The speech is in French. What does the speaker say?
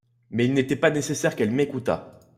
Mais il n'était pas nécessaire qu'elle m'écoutat.